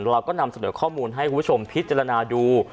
เราก็นำเสนอข้อมูลให้คุณผู้ชมพิจารณาดู